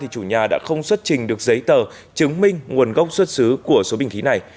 chủ nhà đã không xuất trình được giấy tờ chứng minh nguồn gốc xuất xứ của số bình khí này